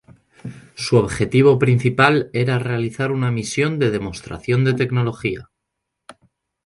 Su objetivo principal era realizar una misión de demostración de tecnología.